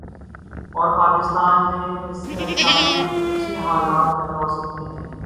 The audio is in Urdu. اور پاکستان میں ایسے اچھے حالات پیدا ہوسکتے ہیں ۔